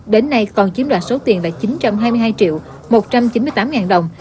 đến nay còn chiếm đoạt số tiền là chín trăm hai mươi hai triệu một trăm chín mươi tám đồng